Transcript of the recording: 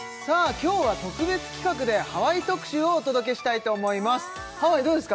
今日は特別企画でハワイ特集をお届けしたいと思いますハワイどうですか？